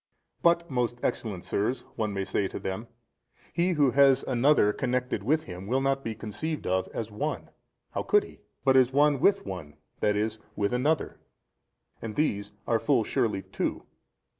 A. But, most excellent sirs, may one say to them, he who has another connected with him will not be conceived of as one, how could he? but as one with one, i.e. with another, and these are full surely two.